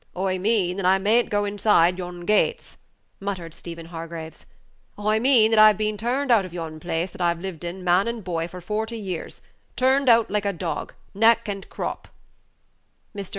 "I mean that I may n't go inside yon gates," muttered Stephen Hargraves; "I mean that I've been turned out of yon place that I've lived in, man and boy, for forty years turned out like a dog, neck and crop." Mr.